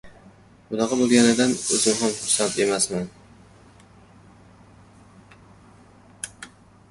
– Bunaqa boʻlganidan oʻzim ham xursand emasman.